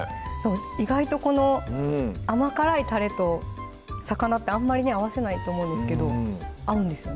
意外とこの甘辛いたれと魚ってあんまり合わせないと思うんですけど合うんですよね